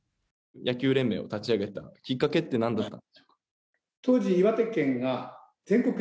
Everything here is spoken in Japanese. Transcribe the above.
野球連盟を立ち上げたきっかけってなんですか？